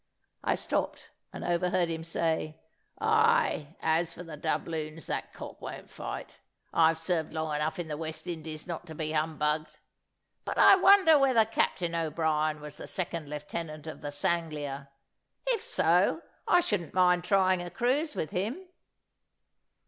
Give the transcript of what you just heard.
I stopped, and overheard him say, "Ay, as for the doubloons, that cock won't fight. I've served long enough in the West Indies not to be humbugged; but I wonder whether Captain O'Brien was the second lieutenant of the Sanglier. If so, I shouldn't mind trying a cruise with him."